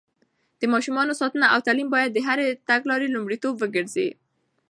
د ماشومانو ساتنه او تعليم بايد د هرې تګلارې لومړيتوب وګرځي.